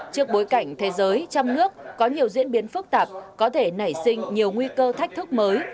trước bối cảnh thế giới trong nước có nhiều diễn biến phức tạp có thể nảy sinh nhiều nguy cơ thách thức mới